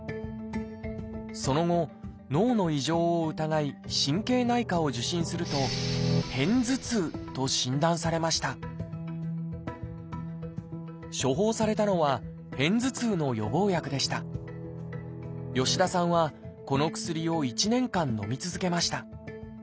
その後脳の異常を疑い神経内科を受診すると「片頭痛」と診断されました処方されたのは吉田さんはこの薬を１年間のみ続けました。